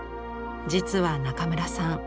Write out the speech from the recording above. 実は中村さん